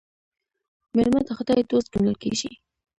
مېلمه د خداى دوست ګڼل کېږي.